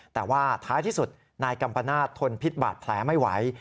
แต่ว่าท้ายที่สุดนายกัมปนาศทนพิษบาดแผลไม่ไหว